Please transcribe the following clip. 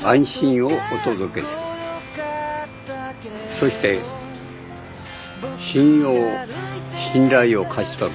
そして信用信頼を勝ち取る。